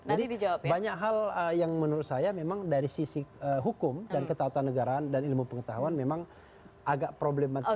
jadi banyak hal yang menurut saya memang dari sisi hukum dan ketahuan negaraan dan ilmu pengetahuan memang agak problematik